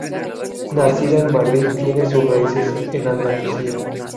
Nacida en Madrid tiene sus raíces en Andalucía.